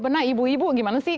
bena ibu ibu gimana sih